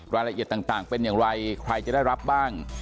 รายละเอียดต่างเป็นอย่างไรใครจะได้รับบ้าง